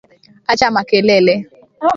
Acha makelele